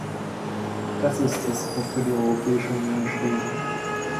Das ist es, wofür die Europäische Union steht.